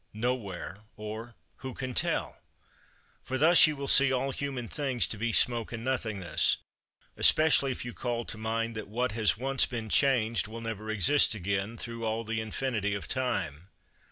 Nowhere; or who can tell? For thus you will see all human things to be smoke and nothingness; especially if you call to mind that what has once been changed will never exist again through all the infinity of time.